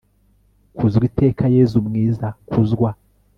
kuzwa iteka yezu mwiza, kuzwa